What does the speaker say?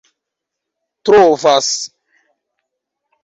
trovas